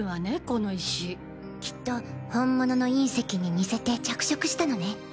この石。きっと本物の隕石に似せて着色したのね。